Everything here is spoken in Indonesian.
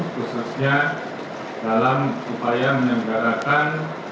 khususnya dalam upaya menyemgarakan